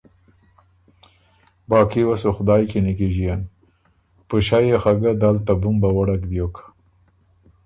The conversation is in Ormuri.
باقي وه سو خدایٛ کی نیکیݫِن۔ پُݭئ يې خه ګه دل ته بُمبه وړک بیوک،